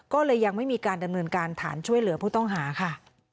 ก็เลยยังไม่มีการดำเนินการฐานช่วยเหลือผู้ต้องหาค่ะ